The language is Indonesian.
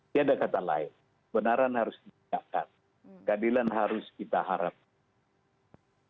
tidak ada kata lain benaran harus dikatakan keadilan harus kita harapkan